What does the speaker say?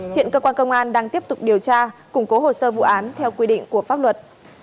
hiện cơ quan công an đang tiếp tục điều tra củng cố hồ sơ vụ án theo quy định của pháp luật